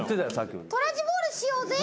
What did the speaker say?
トラジボールしようぜ。